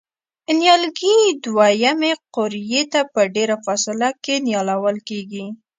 نیالګي دوه یمې قوریې ته په ډېره فاصله کې نیالول کېږي.